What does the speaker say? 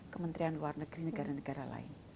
kementerian luar negeri negara negara lain